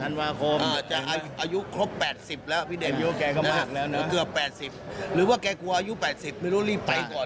ธันวาคมอายุครบ๘๐แล้วพี่เด่นนะครับหรือว่าแกกลัวอายุ๘๐ไม่รู้รีบไปก่อน